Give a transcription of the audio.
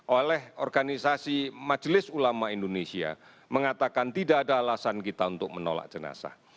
oleh organisasi majelis ulama indonesia mengatakan tidak ada alasan kita untuk menolak jenazah